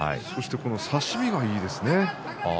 そして差し身がいいですね。